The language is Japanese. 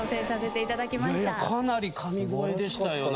かなり神声でしたよ。